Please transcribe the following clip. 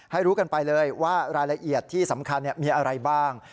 รู้กันไปเลยว่ารายละเอียดที่สำคัญมีอะไรบ้าง